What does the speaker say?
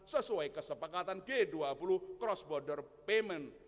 sesuai kesepakatan g dua puluh cross border payment